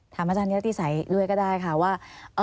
ถามอาจารย์เนี่ยที่ใส่ด้วยก็ได้ค่ะว่า